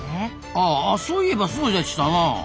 あそういえばそうでしたなあ。